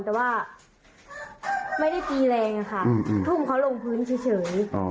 แต่ว่าไม่ได้ตีแรงอะค่ะทุ่มเขาลงพื้นเฉย